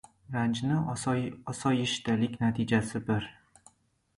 — Ranjni osoyishtalik natijasi bil.